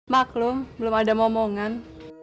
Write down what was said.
maklum belum ada ngomongan